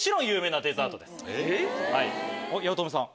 八乙女さん。